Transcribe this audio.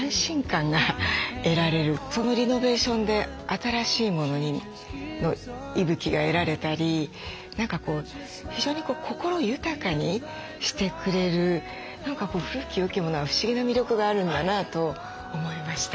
リノベーションで新しいものの息吹が得られたり何か非常に心豊かにしてくれる古き良きものは不思議な魅力があるんだなと思いました。